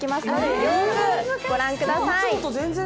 よーく御覧ください。